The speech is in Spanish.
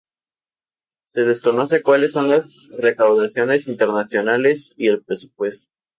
Se desconoce cuales son las recaudaciones internacionales y el presupuesto.